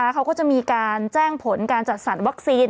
เขาก็จะมีการแจ้งผลการจัดสรรวัคซีน